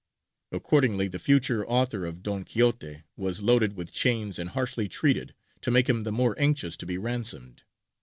Accordingly the future author of Don Quixote was loaded with chains and harshly treated, to make him the more anxious to be ransomed.